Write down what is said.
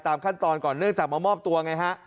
ขั้นตอนก่อนเนื่องจากมามอบตัวไงฮะ